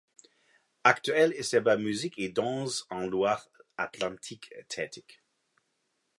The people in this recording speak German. Aktuell ist er bei "Musique et Danse en Loire Atlantique" tätig.